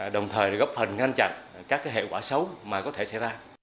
đồng thời góp phần ngăn chặn các hệ quả xấu mà có thể xảy ra